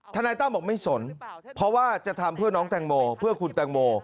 นายตั้มบอกไม่สนเพราะว่าจะทำเพื่อน้องแตงโมเพื่อคุณแตงโม